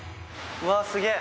うわすげぇ。